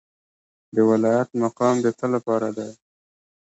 د ولایت مقام د څه لپاره دی؟